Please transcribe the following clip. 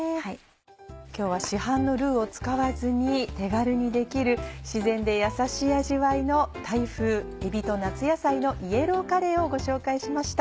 今日は市販のルーを使わずに手軽にできる自然でやさしい味わいの「タイ風えびと夏野菜のイエローカレー」をご紹介しました。